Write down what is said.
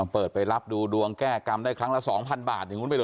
เปิดไปรับดูดวงแก้กรรมได้ครั้งละ๒๐๐บาทอย่างนู้นไปเห